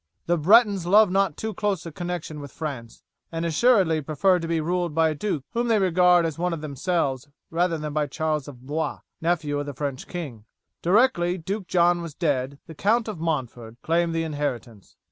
The Bretons love not too close a connection with France, and assuredly prefer to be ruled by a duke whom they regard as one of themselves rather than by Charles of Blois, nephew of the French king. Directly Duke John was dead the Count of Montford claimed the inheritance.